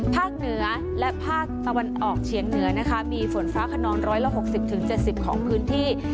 เหนือและภาคตะวันออกเฉียงเหนือนะคะมีฝนฟ้าขนอง๑๖๐๗๐ของพื้นที่